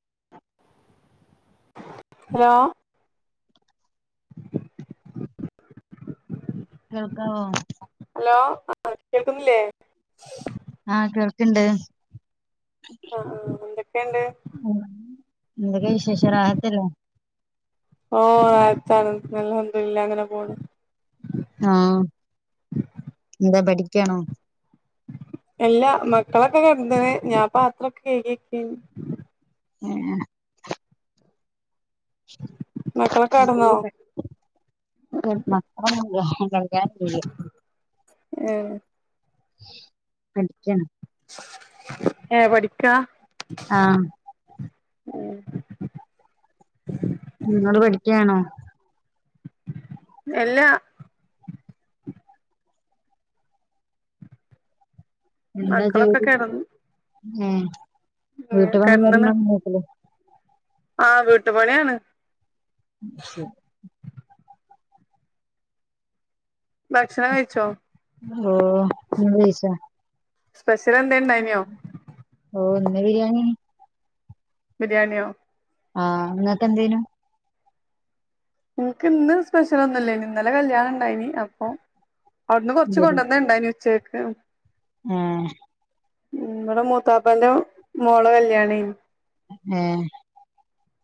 [inaudible] Hello കേൾക്കാവോ? Hello ആഹ് കേൾക്കുന്നില്ലേ? ആഹ് കേൾക്ണ്ട് ആഹ് ആഹ് എന്തൊക്കെണ്ട്? ഉം എന്തൊക്കെ വിശേഷം റാഹത്തല്ലേ? ഓഹ് റാഹത്താണ് അൽഹംദുലില്ലാഹ് ങ്ങനെ പോണ്‌. ആഹ് എന്താ പഠിക്കണോ? എല്ല മക്കളൊക്കെ കെടന്ന്ണ് ഞാൻ പാത്രൊക്കെ കഴ്കിക്കെന്ന് ഹെ മക്കളൊക്കെ കെടന്നോ? നമ്മളെന്നും ഇല്ല ഏ [unintelligible] പഠിക്കാന് ഏ പഠിക്കാ ആഹ് നിങ്ങള് പഠിക്കയാണോ ഏല്ല എന്താ മക്കളൊക്കെ ജോലി കിടന്നു എ ഉം വീട്ടു പണി നോക്കുന്നില്ലേ ആഹ് വീട്ടുപണിയാണ് ശോ ഭക്ഷണം കഴിച്ചോ ന്നലോ ഇങ്ങള് കഴിച്ചാ സ്പെഷ്യലെന്തേ ഇണ്ടായ്ന്യോ ഓഹ് ഇന്ന് ബിരിയാണി ബിരിയാണിയോ ആഹ് ഇങ്ങക്കെന്തേയ്നു ഞങ്ങക്ക്‌ ഇന്ന് സ്പെഷ്യൽ ഒന്നും ഇല്ലേയ്നി ഇന്നലെ കല്യാണം ഇണ്ടായ്നി അപ്പൊ അവ്ട്ന്ന് കൊർച്ച് ബിരി കൊണ്ടെന്നെഹ് ഇണ്ടായ്നി ഉച്ചകെക്ക് ഏഹ് ഉം ഇവടെ മൂത്താപ്പന്റെ മോളെ കല്യാണേയ്നി തന്നേ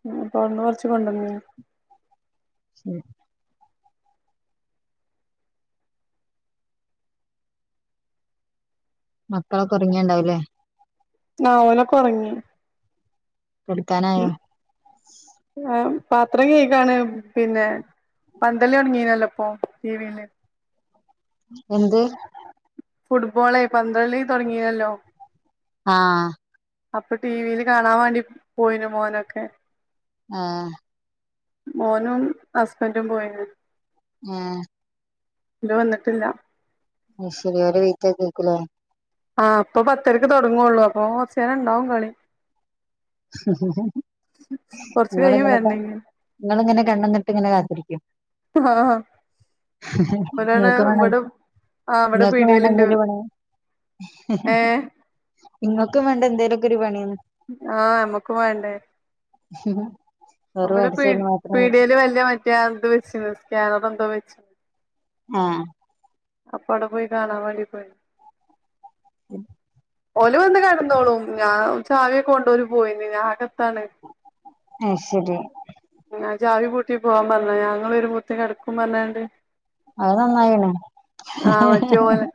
ഉം അപ്പൊ അവ്ട്ന്ന് കൊർച്ച് കൊണ്ടെന്നീന് സ് ഉം മക്കളൊക്കെ ഒറങ്യേണ്ടാവുംലെ അഹ് ഓലൊക്കെ ഒറങ്ങിണ് കെട്ക്കാനായോ ഞാൻ പാത്രം കെഴ്കാണ് പിന്നെ പന്തളി തൊടങ്ങീനല്ലോ ഇപ്പൊ ടിവീയില് എന്ത് ഫുട്ബോളേ പന്തളി തുടങ്ങീണല്ലോ ആഹ് അപ്പ ടിവിയില് കാണാൻ വേണ്ടി പോയിന് മോനൊക്കെ ആഹ് മോനും ഹസ്ബൻന്റും പോയിന് ഏഹ് ഇണ്ട് വന്ന്ട്ടില്ല അയ്ശെരി ഓരെ വെയ്റ്റ് ചെയ്ത് ഇരിക്കുംല്ലെ ആഹ് ഇപ്പൊ പത്തരക്ക് തൊടങ്ങൊള്ളൂ അപ്പൊ കൊർച്ചേരം ഇണ്ടാവും കളി കൊർച്ച് കയ്യും വെര്നെങ്കില് ഇങ്ങള് ഇങ്ങനെ കണ്ണുംനട്ട് ഇങ്ങനെ കാത്തിരിക്ക്യും ആഹ് ആഹ് ഇങ്ങക്ക് വേണേൽ ആ ഇവിടെ ഇങ്ങക്ക് വേണല്ലോ പീടിയേല്ണ്ട് എന്തേലും ഒരു പണി ഏ ഇങ്ങക്കും വേണ്ടെ എന്തേലൊക്കെ ഒരു പണിന്ന് ആഹ് ഞമ്മക്കും വേണ്ടേ [unintelligible] അവ്ടെ പീ മാത്രം പിഡിയേല് വല്യെ മറ്റേ ആ ഇത്‌ വെച്ച്ണ് സ്കാനർ എന്തോ വെച്ച്ണ് ആഹ് അപ്പ അവ്ടെ പോയി കാണൻ വേണ്ടി പോയി ഉം ഓല് വന്ന് കെടന്നോളും ഞാ ഉം ചാവി ഒക്കെ കൊണ്ട് ഓല് പോയിന് ഞാൻ അകത്താണ് അയ്ശരി ആഹ് ഞാൻ ചാവി പൂട്ടി പോവാൻ പർഞ്ഞാ ഞാ ഇങ്ങള് വെരുമ്പോത്തിന് കെട്ക്കും പർഞ്ഞ്ങ്ങാണ്ട് അത് നന്നായൊള്ളൂ ആഹ് മറ്റേ ഓലെ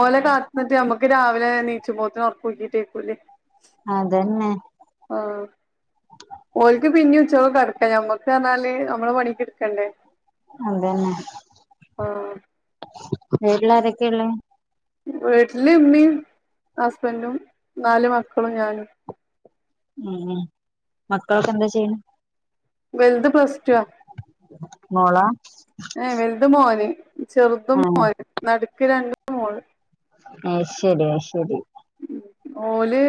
ഓലെ കാത്ത്ന്ന്ട്ട് ഞമ്മക്ക് രാവിലെ നീച്ചുമ്പോത്തിന് ഒർ ക്കുര്തീട്ട് ഇര്ക്കൂലെ അതന്നെ ആഹ് ഓൽക്ക് പിന്നെ ഉച്ചക്ക് കടക്ക ഞമ്മക്ക് റ്ഞ്ഞാല് നമ്മളെ പണിക്കെ എടുക്കണ്ടേ അതന്നെ ആഹ് വീട്ടിലാരക്കെ ള്ളെ വീട്ടില് ഇമ്മിം ഹസ്ബൻഡും നാല് മക്കളും ഞാനും ഉം ഹും മക്കളൊക്കെ എന്താ ചെയ്യ്ണെ വൽത് പ്ലസ് ടു ആ മോളാ ഏ വല്ത് മോന് ചെറുതും ആഹ് മോന് നടുക്ക് രണ്ടും മോള് അഹ് ശെരി അഹ് ശെരി ഓല്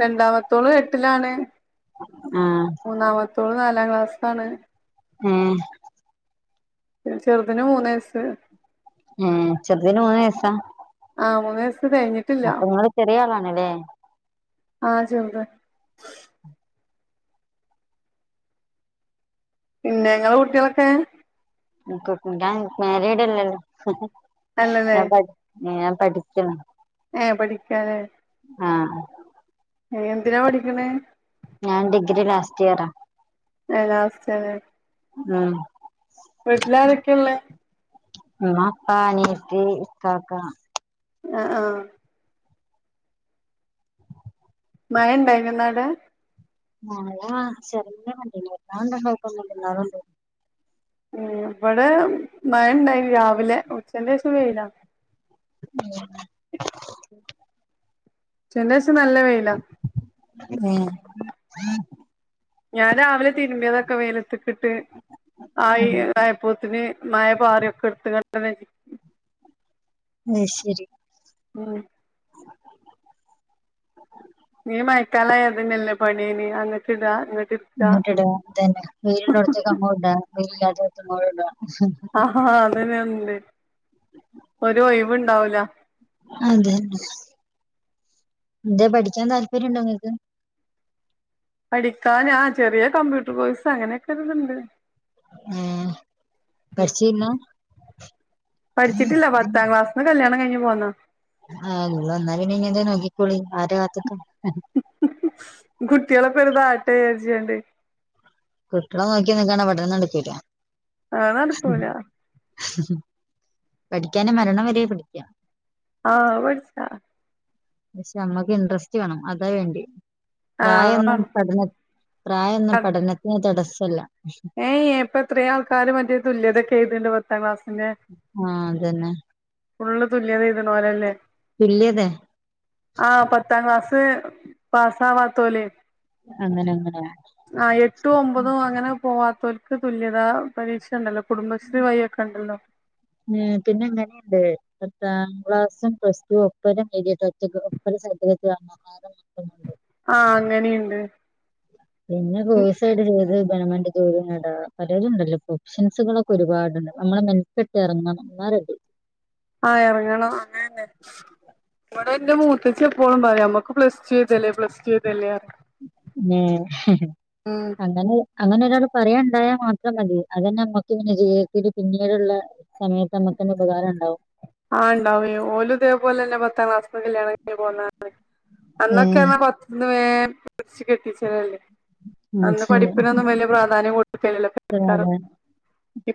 രണ്ടാമത്തോള് എട്ടിലാണ് ആഹ് മൂന്നാമത്തോള് നാലാം ക്ലാസ്സാണ് ഉം പിന്നെ ചെറുതിന് മൂന്ന് വയസ്സ് ഉം ചെറ്തിന് മൂന്ന് വയസ്സാ ആഹ് മൂന്ന് വയസ്സ് കഴിഞ്ഞ് അപ്പം ഇങ്ങള് ചെറിയ ആളാണ് ലേ ആഹ് ചെറുതാ പിന്നെ ഇങ്ങളെ കുട്ടിയാളൊക്കെ ഇൻക്ക് ഞാൻ മേരീടല്ലല്ലോ നല്ലല്ലേ ഞാൻ പടി ല്ല ഞാൻ പഠിക്കാണ് ഏഹ് പടിക്കാലേ ആഹ് ഏഹ് എന്തിനാ പഠിക്ക്ണെ ഞാൻ ഡിഗ്രി ലാസ്റ്റ് ഇയറ ഏഹ് ലാസ്റ്റലേ ഉം വീട്ടിലാരക്കെ ള്ളെ ഉമ്മ ഉപ്പ അനിയത്തി ഇക്കാക്ക ആഹ് ആഹ് മഴണ്ടായിനോ ഇന്ന് അവി ടെ മഴ ചെറുങ്ങനെണ്ടയ്നി വല്ലാണ്ട്ണ്ടായിട്ടൊന്നുല്ല ന്നാലും ണ്ടായിനി ഉം ഇവിടെ മഴണ്ടായ്നി രാവിലെ ഉച്ചന്റെ ശേഷം വെയിലാ മ്മ്ഹ് ഉച്ചന്റെ ഷം നല്ല വെയ് ഉം ഞാൻ രാവിലെ തിരുമ്പിയതൊക്കെ വെയിലതിട്ട്ട്ട് ആയി ആയപ്പോത്തിന് മഴ പാറി ഒക്കെട്ത് ഇങ്ങട്ടെന്നെ ചി അയ് ശെരി ഉം ഞ്ഞ് മയക്കാല ആയ ഇതന്നെ അല്ലേ പണി മി അങ്ങട്ട്ടാ ഇങ്ങട്ട്ട് ഇങ്ങട്ടിട ഇതന്നെ വെയില് ള്ളോട്ത്ത്ക്ക് അണ്ടോട്ട് ഇടാ വെയിലില്ലാത്തേട്ത്ത് ഇങ്ങോട്ട് ടാ ആഹ് അതന്നെ ണ്ട് ഒരു ഒഴിവ് ണ്ടാവുല അതന്നെ എന്തെ പഠിക്കാൻ താല്പര്യം ണ്ടോ ഇങ്ങക്ക് പഠിക്കാന് ആഹ് ചെറിയ കമ്പ്യൂട്ടർ കോഴ്സ് അങ്ങനെയൊക്കെ ഒര്ത്ണ്ട് ഉം പഠിച്ചീന്നു പഠിച്ചിട്ടില്ല പത്താം ക്ലാസ്ന്ന് കല്യാണം കഴിഞ് പോന്ന. ആഹ് നിള്ള എന്നാ പിന്നെ ഇങ്ങനെ നോക്കിക്കോളി ആരെ കാത്തിക്ക കുട്ടികൾ എപ്പഴും പാട്ട് കളിചികണ്ട് കുട്ടികളെ നോക്കി നിക്കാണ അവിടെന്ന് നടക്കൂല. അത്‌ നടക്കൂല്ല പഠിക്കാന് മരണം വരെ പഠിക്കാം. ആഹ് പഠിച്ച പക്ഷെ നമ്മക്ക് ഇൻറസ്റ്റ് വേണം അതാ വേണ്ടി. ആഹ് പ്രായൊന്നും വാണം പഠന പ്രായൊന്നും പഠനത്തിന് തടസ്സല്ല. ഏയ് ഇപ്പോ എത്രയൊ ആൾക്കാര് മറ്റേ തുല്യതൊക്കെ എയ്തിണ്ട് പത്താം ക്ലാസ്സിന്റെ. ആഹ് അതന്നെ. ഫുള്ള് തുല്യത എഴുതുന്ന പോലല്ലേ. തുല്യതെ ആഹ് പത്താം ക്ലാസ് പാസ് ആവാത്തോല്. അങ്ങനെ അങ്ങനെയ. ആഹ് എട്ടും ഒമ്പതും അങ്ങനെ പോവാത്തോൽക്ക് തുല്യതാ പരീക്ഷ ഉണ്ടല്ലോ. കുടുംബശ്രീ വയിഒക്കെ ഉണ്ടല്ലോ. ഏഹ് പിന്നെന്താനെ ഉണ്ട് പത്താം ക്ലാസ്സും, പ്ലസ് ടു, ഒപ്പര എഴുതിയ സാഡിഫിക്ക ഒപ്പര സാഡിഫിക്ക വാങ്ങാൻ അത കിട്ടുന്നുണ്ട് ആഹ് അങ്ങനെയിണ്ട്. പിന്നെ സൂസൈഡ് ചെയ്ത് ഗവണ്മെന്റ് ജോലി നേട പലരും ഉണ്ടല്ലോ ഇപ്പൊ ഓപ്ഷൻസ്സ്കൾ ഒരുപാടുണ്ട് നമ്മടെ മെൻസെട്ടി എറങ്ങൻ എന്നാ റെഡി. ആഹ് എറങ്ങണം അങ്ങനെ ഇവിടെ എന്റെ മൂത്തച്ചി എപ്പോഴും പറയാ നമ്മുക്ക് പ്ലസ് ടു എയ്തല്ലേ പ്ലസ് ടു എയ്തല്ലേ പറയ. ഉം അങ്ങനെയ. അങ്ങനെ ഒരാള് പറയാൻ ഉണ്ടായാൽ മാത്രം മതി അതന്നെ നമ്മക്ക് ഇങ്ങനെ ജീവിതത്തിൽ പിന്നീടുള്ള. സമയത്ത് നമ്മക്കാനേ ഉപകാരം ഉണ്ടാവും. ആ ഇണ്ടാവേലൊ ഓല് ഇതേപോല തന്നെ പത്താം ക്ലാസ്ന് കല്യാണം പോന്നാണ് ഏഹ് അന്നൊക്കെന്ന പത്തന്ന് വേ പിടിച്ച് കെട്ടിച്ചതാല്ലേ. അന്ന് പഠിപ്പിനൊന്നും വല്യ പ്രാധാന്യം കൊടുക്കൽ ഇല്ലല്ലോ [unintelligible] അതന്നെ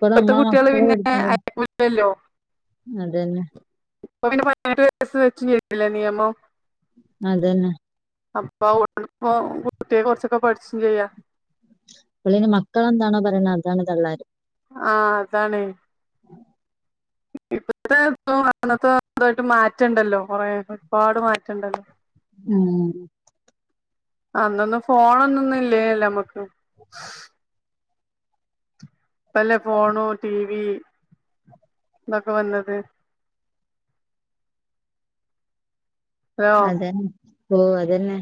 ഇപ്പഴും നമ്മളെ കുട്ടികള് മക്കള് പിന്നെ പഠിക്കുമ്പോ അയക്കുല്ലല്ലോ. അതന്നെ. ഇപ്പം പിന്നെ പതിനെട്ടു വാഴസ്സ് വെച്ച്നി ആല്ലേ നിയമം അതന്നെ. അപ്പൊ ആഹ് [unintelligible] കുട്ടിയെ കുറച്ചൊക്കെ പഠിച്ചും ചെയ്യ. പിള്ളേര് മക്കളെന്താണോ പറയണ അതാണ് തള്ളാര്. ആഹ് അതാണെ ഇപ്പത്തെ ഇ [unintelligible] അന്നത്തെ ഇതു ആയിട്ട് മാറ്റുണ്ടല്ലോ കൊറെേ ഒരുപാട് മാറ്റണ്ടല്ലോ. ഉം. അന്നൊന്നു ഫോണോ ഒന്നുന്നും ഇല്ലേല്ലോ നമ്മുക്കും ഇപ്പല്ലെ ഫോണു, ടി വി ഇതൊക്കെ വന്നത്. ഹലോ അതെ ഓഹ് അതെന്നെ.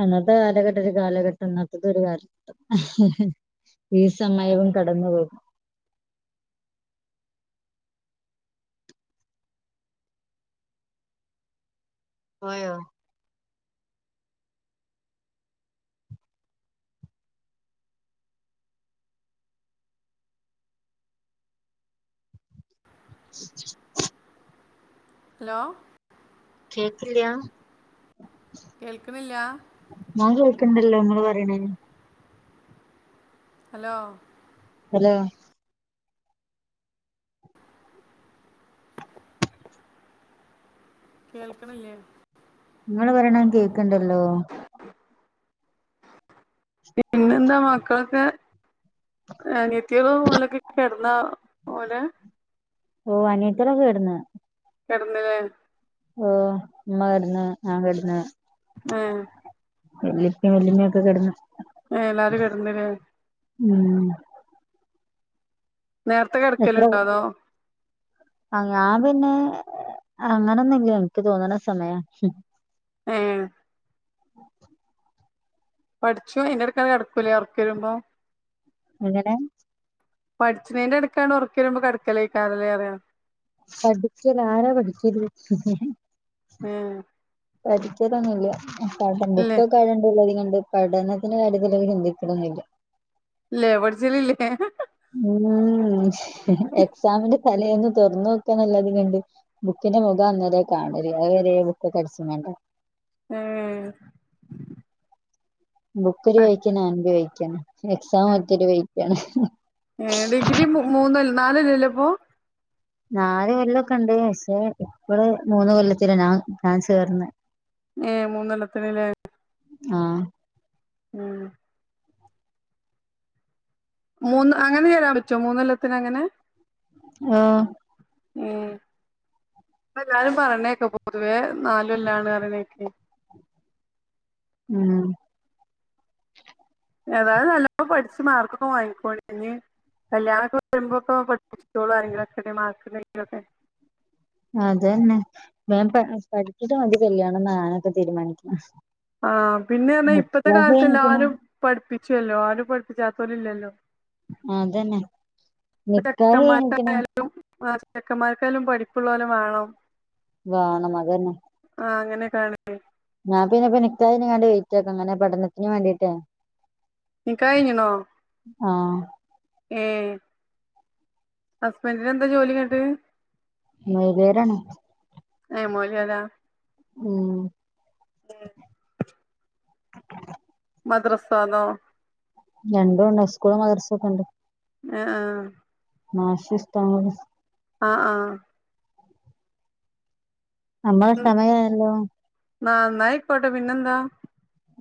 അന്നത്തെ കാലഘട്ടം ഒരു കാലഘട്ടം ഇന്നത്തത് ഒരു കാലഘട്ടം ഈ സമയവും കടന്നു പോകും ആയോ ഹലോ കേക്ക്ല്ല്യ കേൾക്ക്ണില്ലാ ഞാൻ കേക്ക്ണ്ടല്ലോ ഇങ്ങള് പറയ്ണേ ഹലോ ഹലോ കേൾക്ക്ണ്ല്ലേ ഇങ്ങള് പറിണ ഇൻക് കേ കണ്ടല്ലോ പിന്നെന്താ മക്കൾക്ക് അനിയത്തിയാളും ഓലൊക്കെ കെട്ന്ന പോലെ ഓഹ് അനിയത്തി യാളൊക്കെ കെടന്ന് കെടന്ന് ലേ ഓഹ് ഇമ്മ കട്ന്ന് ഞാൻ കട്ന്ന് ആഹ് വല്ലിപ്പിം വല്ലിമ്മിം ഒക്കെ കെടന്നു ഏഹ് എല്ലാരും കെടന്ന്ല്ലേ ഉം നേര്ത്തെ കെട്ക്കല്ണ്ടോ അതോ ആ ഞാ പിന്നെ അങ്ങനെയൊന്നുല്ല എനിക്ക് തോന്ന്ണ സമയ ഏഹ് പഠ്‌ച്ചോ അയ്ൻ്റെ [unintelligible] കട്ക്കൂലേ ഒർക്കരുമ്പോ എങ്ങനെ പഠ്ച്ച്ണീന്റെടുക്കാണ് ഒർക്കരുമ്പൊ കെട്കലയ്കാരം ലേ അറിയ പഠിക്കൽ ആരാ പഠിക്കല് ഏഹ് പഠിക്കലൊന്നുല്ല [unintelligible] ഇല്ലേ ബുക്കൊക്കെ [unintelligible] കാണ്ട് പഠനത്തിന് കാര്യത്തിലേക്ക് ചിന്തിക്ക്ണൊന്നുല്ല ഇല്ലേ പഠ്ച്ചൽ ഇല്ലേ ഉം എക്സാമിന്റെ തലേന്ന് തൊർന്നോക്കാന്നല്ലാത് പിന്നെന്ത് ബുക്കിന്റെ മുഖം അന്നേരാ കാണല് അത് വരേ ബുക്കൊക്കട്ച്ച്കാണ്ട ഏഹ് ബുക്ക് ഒര് വഴിക്ക് ഞാൻ ഒരു വഴിക്കാണ് എക്സാം മറ്റൊരു വഴിക്കാണ് ഏഹ് ഡിഗ്രി മൂ മൂന്നല്ല നാലൊല്ല അല്ലേ ഇപ്പോ നാല് കൊല്ലംക്കെ ഇണ്ട് പക്ഷേ ഇപ്പള് മൂന്ന് കൊല്ലത്തിനാ ഞാൻ ഞാൻ ചേർന്ന ഏഹ് മൂന്നൊല്ലത്തിന് ലേ ആഹ് ഉം മൂന്ന് അങ്ങനെ ചേരാൻ പറ്റോ മൂന്നൊല്ലത്തിന് അങ്ങനെ ആഹ് ഉം പ്പല്ലാരും പറണെക്ക പൊതുവേ നാലുകൊല്ലാണ് പറിണേക്കെ ഉം ഏതായാലും നല്ല പഠിച്ച് മാർക്കൊക്കെ വാങ്ങിക്കോ [inaudible] ഇഞ് കല്യാണം ഒക്കെ വരുമ്പ്പ്പോ പഠിപ്പിച്ചോളും ആരെങ്കിലൊക്കെ മാർ ക്ക്ണ്ടെങ്കിലൊക്കെ അതെന്നെ വെം പട് പഠിച്ചിട്ട് മതി ക ല്യാണംന്നാണ് പ്പ തീരുമാനിക്കണേ ആഹ പിന്നെ അറഞ ഇപ്പത്തെ കാലത്ത് കഴിഞ്ഞിക്കണ് എല്ലാരും പഠിപ്പിച്ചുല്ലോ ആരും പഠിപ്പിച്ചാത്തോര് ഇല്ലല്ലോ അതന്നെ ഇപ്പ നിക്കാഹ് കയ്ഞ്ഞ്ക്കുണു ചെക്കന്മാർക്കായാലും ചെക്കന്മാർക്കായാലും പഠിപ്പ്ള്ള ഒലെ വേണം വാണം അതന്നെ ആഹ് അങ്ങനെ കാണിക്ക ഞാ പിന്നെപിന്നെക്കാഹ് യ്ഞണ്ട് വെയിറ്റ് ആക്ക ങ്ങനെ പഠനത്തിന് വേണ്ടീട്ടേ നിക്കാഹ്കയ്ഞ്ഞ്ണോ ആഹ! ഏ ഹസ്ബൻഡ്ന് എന്താ ജോലി ന്നട്ട് മോല്യരാണ് എ മോല്യാരാ ഉം! മദ്രസോ അതോ രണ്ടുംണ്ട് സ്കൂളും മദർസും ഒക്കെ ണ്ട്. ആആ നാശിശ്ട്ട [unintelligible] ആആ നമ്മടെ സമയായല്ലോ! ന്ന ന്നായിക്കോട്ടേ പിന്നെന്താ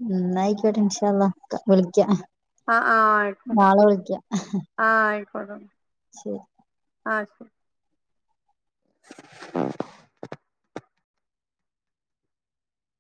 ന്നായിക്ക്യട്ടെ ഇന്ശാള്ള വിളിക്ക നാളെ വിളിക്ക. ആ ആയിക്കോട്ടെ ശേരി! ആ ശെരി! [inaudible]